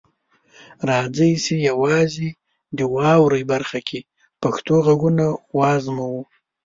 راځئ چې یوازې د "واورئ" برخه کې پښتو غږونه وازموو.